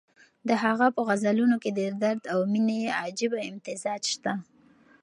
د هغه په غزلونو کې د درد او مېنې عجیبه امتزاج شته.